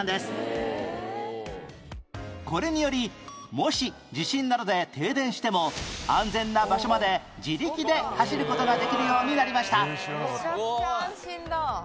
これによりもし地震などで停電しても安全な場所まで自力で走る事ができるようになりましたへえ知らなかった。